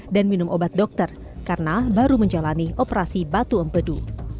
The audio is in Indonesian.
dan minum obat dokter karena baru menjalani operasi batu empedu